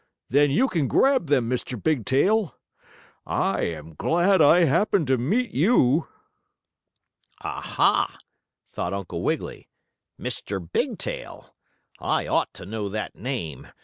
Then you can grab them, Mr. Bigtail! I am glad I happened to meet you!" "Ah, ha!" thought Uncle Wiggily. "Mr. Bigtail! I ought to know that name.